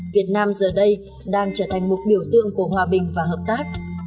việt nam giờ đây đang trở thành một biểu tượng của hòa bình và hợp tác